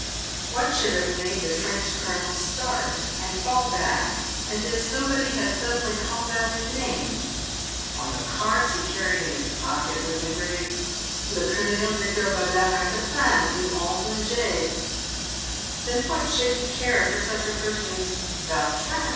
"What should have made the French colonel start and fall back, as if somebody had suddenly called out his name ? On the cards he carried in his pocket was engraved " Le Colonel Victor Baudin Eat taplan, du ll e Leger." Then what should he care for such a person as Yautrin ?